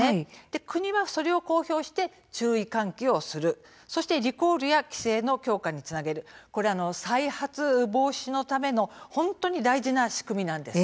国は、それを公表して注意喚起をするそしてリコールや規制の強化につなげる再発防止のための本当に大事な仕組みなんです。